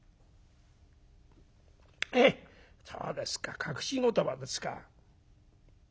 「へえそうですか隠し言葉ですか」。